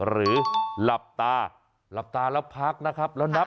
หรือหลับตาหลับตาแล้วพักนะครับแล้วนับ๑๒๓๔๕